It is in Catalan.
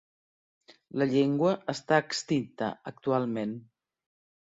La llengua està extinta actualment.